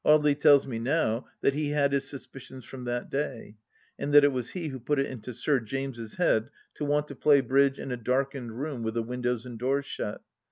.. Audely tells me now that he had his suspicions from that day, and that it was he who put it into Sir James' head to want to play bridge in a darkened room with the windows and doors shut.